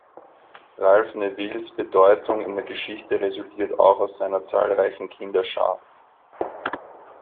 Ralph Nevilles Bedeutung in der Geschichte resultiert auch aus seiner zahlreichen Kinderschar.